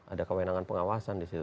ada kewenangan pengawasan di situ